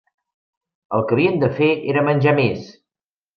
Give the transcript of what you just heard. El que havien de fer era menjar més!